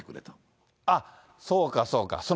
あっ、そうか、そうか。